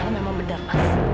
ternyata memang benar mas